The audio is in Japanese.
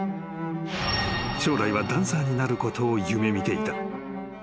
［将来はダンサーになることを夢見ていた］